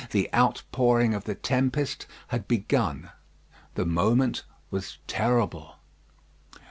The outpouring of the tempest had begun. The moment was terrible.